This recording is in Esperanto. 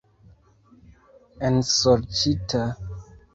Ensorĉita!